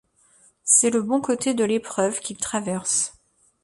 C’est le bon côté de l'épreuve qu’ils traversent.